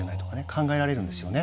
考えられるんですよね。